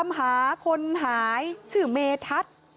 เจ้าของห้องเช่าโพสต์คลิปนี้